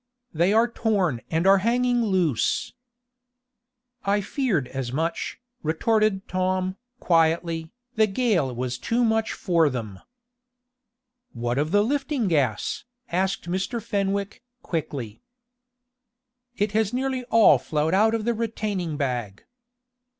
"They are torn and are hanging loose." "I feared as much," retorted Tom, quietly, "The gale was too much for them." "What of the lifting gas?" asked Mr. Fenwick, quickly. "It has nearly all flowed out of the retaining bag."